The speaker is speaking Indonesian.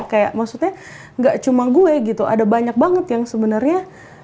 kayak maksudnya nggak cuma gue gitu ada banyak banget yang sebenarnya